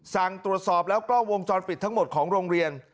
สั่งตรวจสอบแล้วกล้องวงจรปิดทั้งหมดของโรงเรียน